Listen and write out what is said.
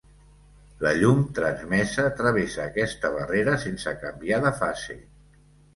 La llum transmesa travessa aquesta barrera sense canviar de fase.